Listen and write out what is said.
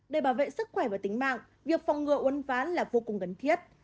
để bảo vệ sức khỏe và tính mạng việc phòng ngừa uân ván là vô cùng gần thiết